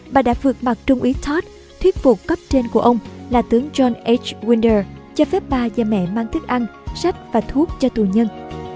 bà đã vượt mặt trung ý todd thuyết phục cấp trên của ông là tướng john h winder cho phép ba và mẹ mang thức ăn sách và thuốc cho tù nhân